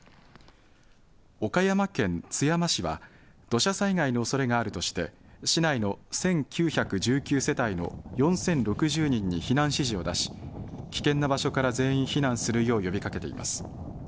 岡山県津山市は土砂災害のおそれがあるとして市内の１９１９世帯の４０６０人に避難指示を出し危険な場所から全員避難するよう呼びかけています。